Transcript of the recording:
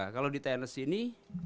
kalau di tenis ini